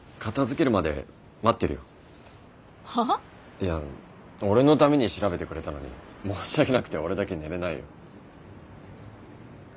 いや俺のために調べてくれたのに申し訳なくて俺だけ寝れないよ。